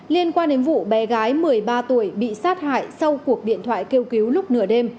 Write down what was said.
liên quan đến vụ bé gái một mươi ba tuổi bị sát hại sau cuộc điện thoại kêu cứu lúc nửa đêm